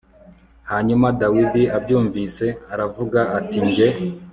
hanyuma dawidi abyumvise aravuga ati jye